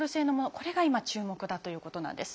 これが今注目だということなんです。